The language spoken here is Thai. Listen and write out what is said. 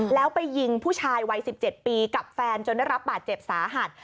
แล้วไปยิงผู้ชายวัย๑๗ปีกับแฟนจนได้รับบาดเจ็บสาหัส